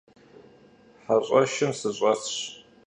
Heş'eşım sış'esş.